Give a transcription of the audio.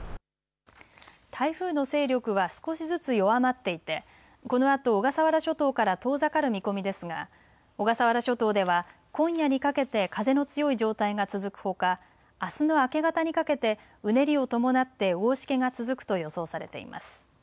台風の勢力は少しずつ弱まっていてこのあと小笠原諸島から遠ざかる見込みですが小笠原諸島では今夜にかけて風の強い状態が続くほか、あすの明け方にかけてうねりを伴って大しけが続くと予想されています。